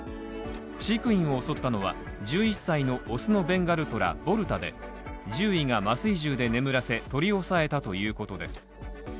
飼育員を襲ったのは１１歳の雄のベンガルトラ、ボルタで獣医が麻酔銃で眠らせ、取り押さえたということです。